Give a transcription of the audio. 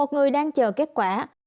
một người đang chờ kết quả